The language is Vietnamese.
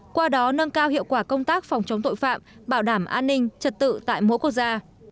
qua đó nâng cao hiệu quả công tác phòng chống tội phạm bảo đảm an ninh trật tự tại mỗi quốc gia